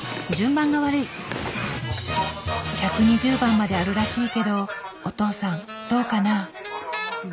１２０番まであるらしいけどお父さんどうかな？